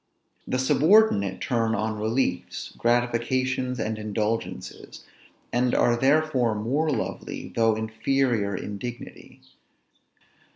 The subordinate turn on reliefs, gratifications, and indulgences; and are therefore more lovely, though inferior in dignity.